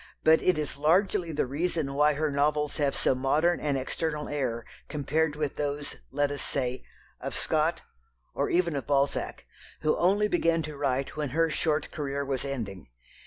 But it is largely the reason why her novels have so modern an external air compared with those, let us say, of Scott, or even of Balzac, who only began to write when her short career was ending.